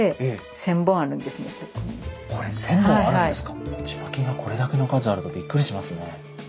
ちまきがこれだけの数あるとびっくりしますね。